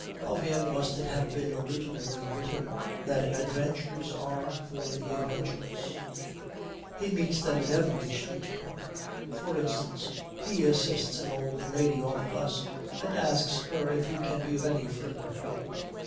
Of him must it have been originally written that adventures are for the adventurous. He meets them at every street corner. For instance, he assists an old lady off a bus, and asks her if he can be of any further help.